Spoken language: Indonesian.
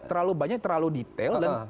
terlalu banyak terlalu detail